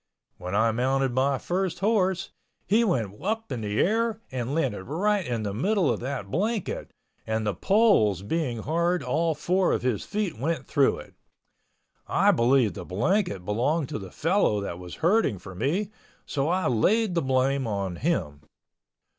When I mounted my first horse, he went up in the air and landed right in the middle of that blanket, and the poles being hard all four of his feet went through it. I believe the blanket belonged to the fellow that was herding for me, so I laid the blame on him.